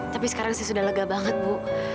tapi sekarang sih sudah lega banget bu